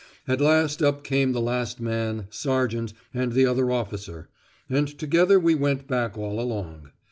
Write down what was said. At last up came the last man, sergeant, and the other officer, and together we went back all along.